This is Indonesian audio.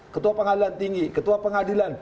ketua pengadilan tinggi ketua pengadilan